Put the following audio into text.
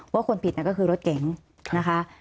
ว่าคนผิดนั้นก็คือรถเก๋งนะคะ